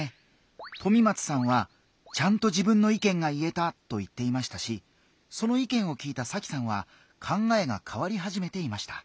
とみまつさんは「ちゃんと自分の意見が言えた」と言っていましたしその意見を聞いたさきさんは考えが変わり始めていました。